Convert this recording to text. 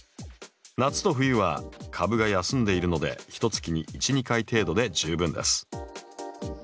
夏と冬は株が休んでいるのでひとつきに１２回程度で十分です。